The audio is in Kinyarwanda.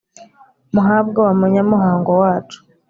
muhabwa wa munyamuhango wacu